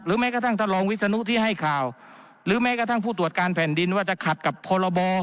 แม้กระทั่งท่านรองวิศนุที่ให้ข่าวหรือแม้กระทั่งผู้ตรวจการแผ่นดินว่าจะขัดกับพรบ